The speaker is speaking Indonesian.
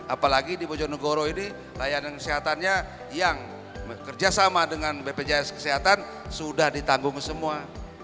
apalagi di bojonegoro ini layanan kesehatannya yang bekerja sama dengan bpjs kesehatan sudah ditanggung semua